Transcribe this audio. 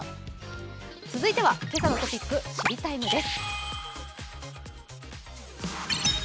続いては今朝のトピック「知りＴＩＭＥ，」です。